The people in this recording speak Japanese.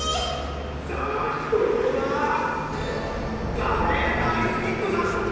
「さあひとりめはカレー大好きっこさん。